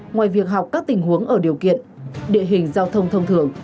ngoài việc học các tình huống ở điều kiện địa hình giao thông thông thường